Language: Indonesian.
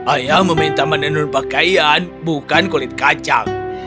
ayah meminta menenun pakaian bukan kulit kacang